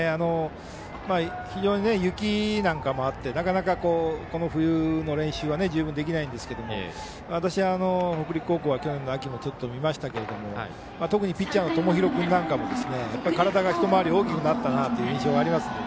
非常に雪なんかもあってなかなか、この冬の練習は十分できないんですけど私は北陸高校は去年の秋もちょっと見ましたけど特にピッチャーの友廣君なんかも体が一回り大きくなったなという印象がありますので。